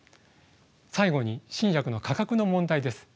最後に新薬の価格の問題です。